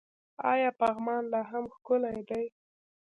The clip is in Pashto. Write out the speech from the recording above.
آیا پغمان لا هم ښکلی دی؟